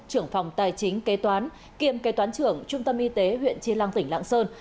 trưởng phòng tài chính kế toán kiêm kế toán trưởng trung tâm y tế huyện chi lăng tỉnh lạng sơn